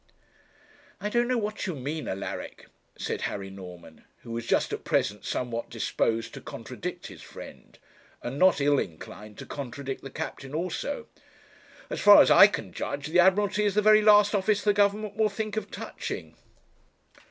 'I don't know what you mean, Alaric,' said Harry Norman, who was just at present somewhat disposed to contradict his friend, and not ill inclined to contradict the captain also; 'as far as I can judge, the Admiralty is the very last office the Government will think of touching.'